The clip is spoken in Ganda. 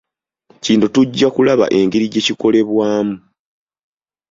Kino tujja kulaba engeri gyekikolebwamu.